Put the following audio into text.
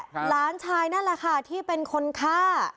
หลานชายค่ะ